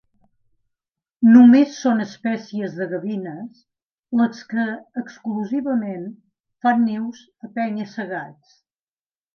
Només són espècies de gavines les que exclusivament fan nius a penya-segats.